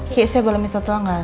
ki saya belum itu tau gak